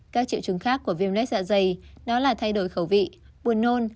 các triệu chứng khác của viêm lết dạ dày đó là thay đổi khẩu vị buồn nôn